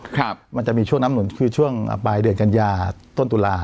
ครับมันจะมีช่วงน้ำหนุนคือช่วงปลายเดือนกันยาต้นตุลา